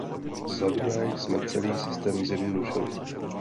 Zadruhé jsme celý systém zjednodušili.